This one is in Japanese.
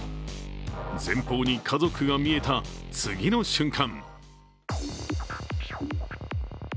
前方に家族が見えた次の瞬間